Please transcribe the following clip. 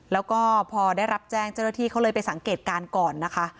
แล้วก็พอได้รับแจ้งเจ้าหน้าที่เขาเลยไปสังเกตการณ์ก่อนนะคะ